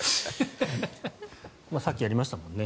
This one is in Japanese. さっきやりましたもんね。